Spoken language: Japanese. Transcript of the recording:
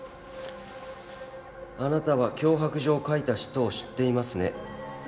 「あなたは脅迫状を書いた人を知っていますね」